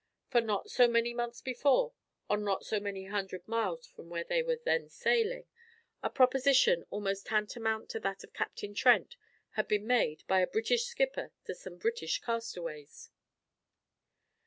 For not so many months before, and not so many hundred miles from where we were then sailing, a proposition almost tantamount to that of Captain Trent had been made by a British skipper to some British castaways.